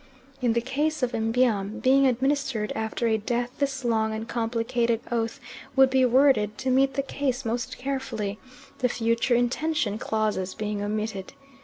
In the case of Mbiam being administered after a death this long and complicated oath would be worded to meet the case most carefully, the future intention clauses being omitted.